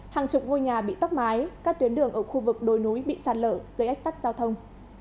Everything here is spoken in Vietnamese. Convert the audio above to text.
hàng chục ngôi nhà bị tốc mái các tuyến đường ở khu vực đồi núi bị sạt lở gây ách tắc giao thông